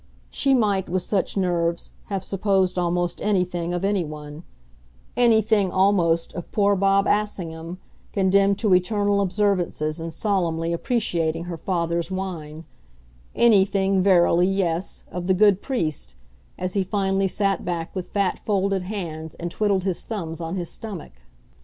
She might, with such nerves, have supposed almost anything of any one; anything, almost, of poor Bob Assingham, condemned to eternal observances and solemnly appreciating her father's wine; anything, verily, yes, of the good priest, as he finally sat back with fat folded hands and twiddled his thumbs on his stomach.